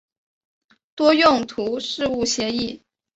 多用途事务协议。